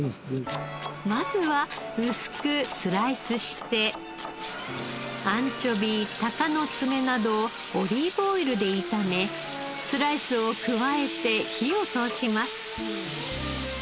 まずは薄くスライスしてアンチョビ鷹の爪などをオリーブオイルで炒めスライスを加えて火を通します。